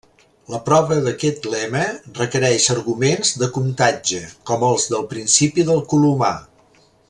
La prova d'aquest lema requereix arguments de comptatge, com els del principi del colomar.